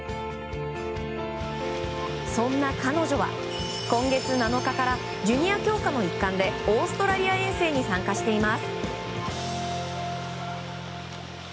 そんな彼女は、今月７日からジュニア強化の一環でオーストラリア遠征に参加しています。